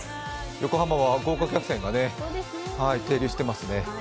横浜は豪華客船が停留していますね。